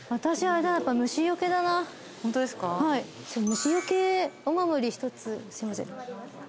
虫よけお守り１つすいません。